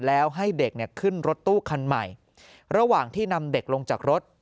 แล้วให้เด็กเนี่ยขึ้นรถตู้คันใหม่ระหว่างที่นำเด็กลงจากรถ